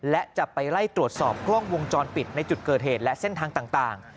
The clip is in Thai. และจะไปไล่ตรวจสอบกล้องวงจรปิดในจุดเกิดเหตุและเส้นทางต่าง